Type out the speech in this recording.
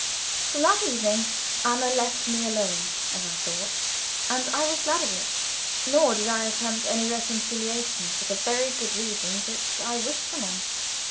From that evening Anna let me alone, as I thought, and I was glad of it, nor did I attempt any reconciliation, for the very good reason that I wished for none.